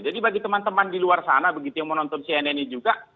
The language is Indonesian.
jadi bagi teman teman di luar sana begitu yang menonton cnn ini juga